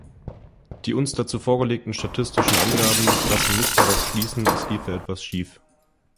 Die uns dazu vorgelegten statistischen Angaben lassen nicht darauf schließen, es liefe etwas schief.